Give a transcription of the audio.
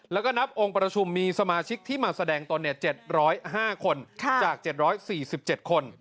แล้วก็นับองค์ประชุมมีสมาชิกที่มาแสดงตน๗๐๕คนจาก๗๔๗คน